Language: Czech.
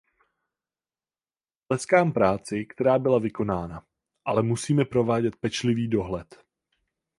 Tleskám práci, která byla vykonána, ale musíme provádět pečlivý dohled.